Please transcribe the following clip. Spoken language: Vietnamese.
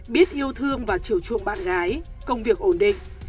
biết yêu thương và trưu chuộng bạn gái công việc ổn định